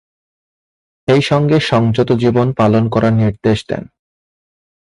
সেইসঙ্গে সংযত জীবন পালন করার নির্দেশ দেন।